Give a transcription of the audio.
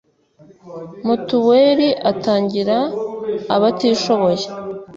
mituweli atangira abatishoboye